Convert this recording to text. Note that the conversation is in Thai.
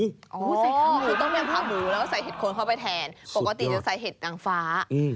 ใส่ขาหมูต้มยำขาหมูแล้วก็ใส่เห็ดโคนเข้าไปแทนปกติจะใส่เห็ดนางฟ้า